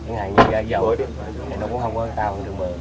những hàng như dầu thì nó cũng không có cao trong trường bờ